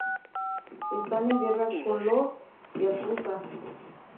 Están en guerra con los Yakuza.